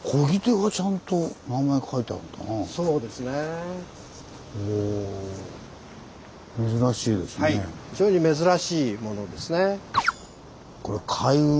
はい非常に珍しいものですね。